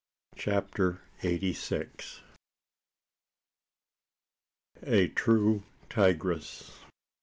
CHAPTER EIGHTY SIX. A TRUE TIGRESS.